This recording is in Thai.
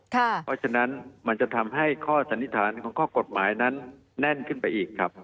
เพราะฉะนั้นมันจะทำให้ข้อสันนิษฐานของข้อกฎหมายนั้นแน่นขึ้นไปอีกครับ